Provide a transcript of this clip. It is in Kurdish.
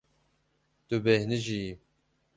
Tu bêhnijiyî.